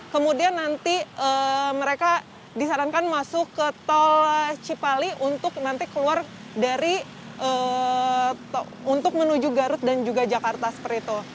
kemudian nanti mereka disarankan masuk ke tol cipali untuk nanti keluar dari untuk menuju garut dan juga jakarta seperti itu